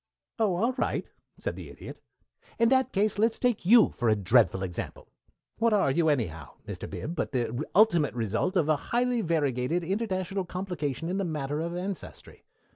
"Oh, all right," said the Idiot. "In that case, let's take you for a dreadful example. What are you, anyhow, Mr. Bib, but the ultimate result of a highly variegated international complication in the matter of ancestry?